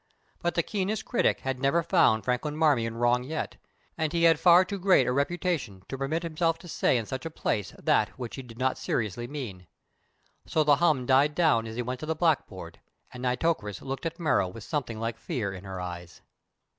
But the keenest critic had never found Franklin Marmion wrong yet, and he had far too great a reputation to permit himself to say in such a place that which he did not seriously mean. So the hum died down as he went to the black board, and Nitocris looked at Merrill with something like fear in her eyes.